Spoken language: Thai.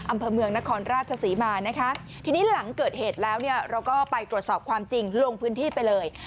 อำเภอเมืองนครราชศรีมานะคะทีนี้หลังเกิดเหตุแล้วเนี่ยเราก็ไปตรวจสอบความจริงลงพื้นที่ไปเลย